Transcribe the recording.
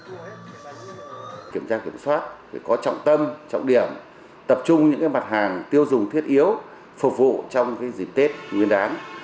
để có trọng tâm trọng điểm tập trung những mặt hàng tiêu dùng thiết yếu phục vụ trong dịp tết nguyên đán